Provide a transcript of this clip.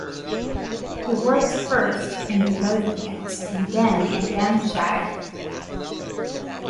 He worked first in the Lothians and then in Banffshire.